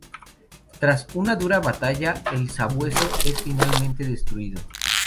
Tras una dura batalla, el sabueso es finalmente destruido.